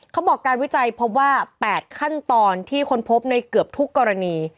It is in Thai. เขาบอกการวิจัยพบว่า๘ขั้นตอนที่ค้นพบในเกือบทุกกรณี